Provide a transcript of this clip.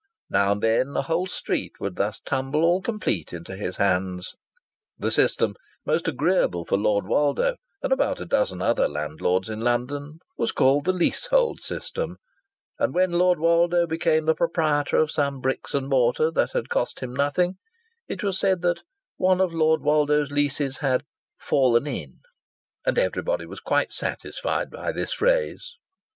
Now and then a whole street would thus tumble all complete into his hands. The system, most agreeable for Lord Woldo and about a dozen other landlords in London, was called the leasehold system; and when Lord Woldo became the proprietor of some bricks and mortar that had cost him nothing, it was said that one of Lord Woldo's leases had "fallen in," and everybody was quite satisfied by this phrase.